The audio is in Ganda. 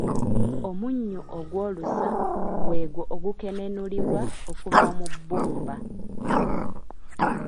Omunnyu ogw'olusa gw'egwo ogukenenulibwa okuva mu bbumba